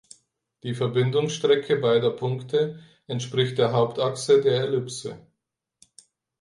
Die Verbindungsstrecke beider Punkte entspricht der "Hauptachse" der Ellipse.